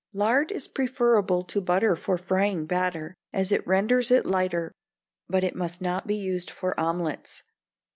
Lard is preferable to butter for frying batter, as it renders it lighter; but it must not be used for omelettes.